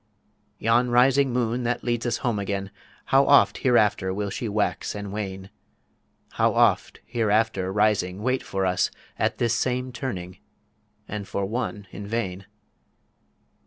Yon rising Moon that leads us Home again, How oft hereafter will she wax and wane; How oft hereafter rising wait for us At this same Turning and for One in vain.